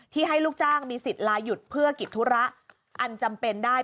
ให้ลูกจ้างมีสิทธิ์ลายุดเพื่อกิจธุระอันจำเป็นได้